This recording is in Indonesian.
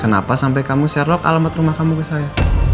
kenapa sampai kamu serok alamat rumah kamu ke saya